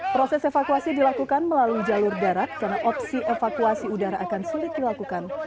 proses evakuasi dilakukan melalui jalur darat karena opsi evakuasi udara akan sulit dilakukan